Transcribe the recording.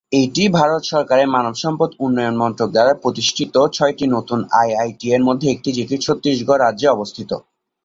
এটি ভারত সরকারের মানব সম্পদ উন্নয়ন মন্ত্রক দ্বারা প্রতিষ্ঠিত ছয়টি নতুন আইআইটি-এর মধ্যে একটি, যেটি ছত্তিশগড় রাজ্যে অবস্থিত।